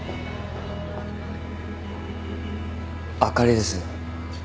あかりです